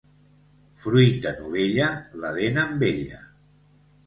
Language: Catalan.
Fruita novella, la dent amb ella.